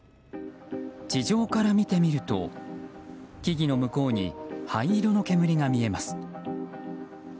地上から見てみると木々の向こうに灰色の煙が見えます。